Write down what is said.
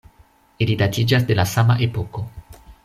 Ili datiĝas de la sama epoko.